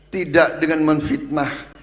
tidak dengan menfitmah